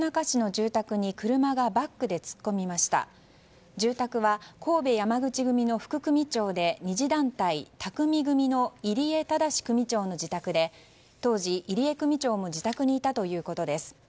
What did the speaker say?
住宅は神戸山口組の副組長で二次団体宅見組の入江禎組長の自宅で当時、入江組長は自宅にいたということです。